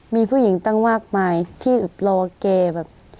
มีผู้หญิงตั้งมากมายที่รอแกแบบ